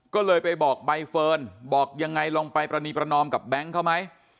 ก็เลยไปบอกใบเฟิร์นบอกยังไงลองไปประณีประนอมกับแบงค์เขาไหม